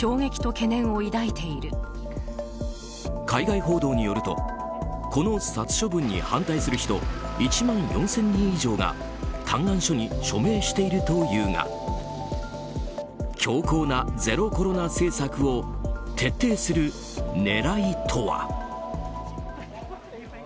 海外報道によるとこの殺処分に反対する人１万４０００人以上が嘆願書に署名しているというが強硬なゼロコロナ政策を徹底する狙いとは。